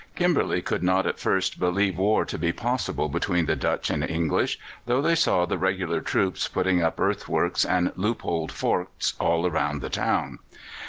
Kimberley could not at first believe war to be possible between the Dutch and English, though they saw the regular troops putting up earthworks and loopholed forts all round the town.